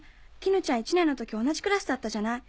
絹ちゃん１年の時同じクラスだったじゃない。